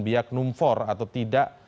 biak numfor atau tidak